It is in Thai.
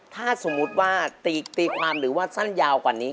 ถ้าสมมุติว่าตีความหรือว่าสั้นยาวกว่านี้